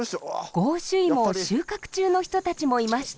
ゴウシュイモを収穫中の人たちもいました。